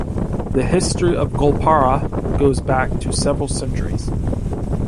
The history of Goalpara goes back to several centuries.